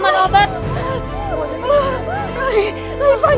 rai muka kapan